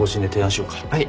はい。